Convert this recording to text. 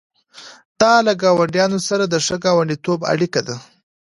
دا له ګاونډیانو سره د ښه ګاونډیتوب اړیکه ده.